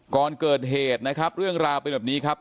ก่อนเกิดเหตุนะครับเรื่องราวเป็นแบบนี้ครับ